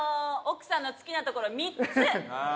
奥さんの好きなところ？